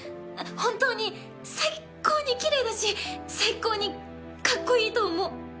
本当に最高にきれいだし最高にかっこいいと思う。